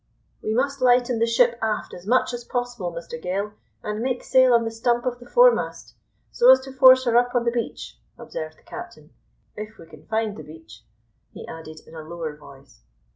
"We must lighten the ship aft as much as possible, Mr Gale, and make sail on the stump of the foremast, so as to force her up on the beach," observed the captain. "If we can find the beach," he added in a lower voice.